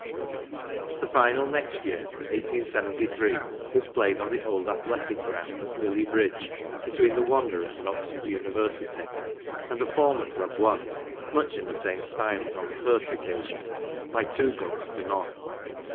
The final next year, 1873, was played on the old athletic ground at Lillie Bridge be¬ tween the Wanderers and Oxford University, and the former club won, much in the same style as on the first occasion, by two goals to none.